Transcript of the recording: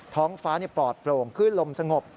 ท้องฟ้าปลอดโปร่งขึ้นลมสงบ